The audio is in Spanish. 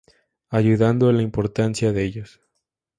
Ayudando a la importancia de ellos.